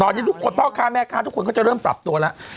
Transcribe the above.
ตอนนี้ทุกคนพ่อค้าแม่ค้าทุกคนก็จะเริ่มปรับตัวแล้ว